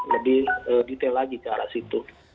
lebih detail lagi ke arah situ